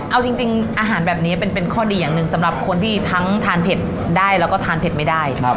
เอาจริงอาหารแบบนี้เป็นข้อดีอย่างหนึ่งสำหรับคนที่ทั้งทานเผ็ดได้แล้วก็ทานเผ็ดไม่ได้